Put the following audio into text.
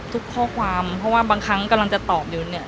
ทุกข้อความเพราะว่าบางครั้งกำลังจะตอบอยู่เนี่ย